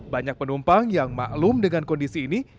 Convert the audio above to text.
banyak penumpang yang maklum dengan kondisi ini